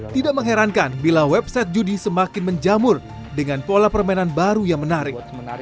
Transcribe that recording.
tidak mengherankan bila website judi semakin menjamur dengan pola permainan baru yang menarik